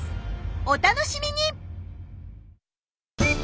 お楽しみに！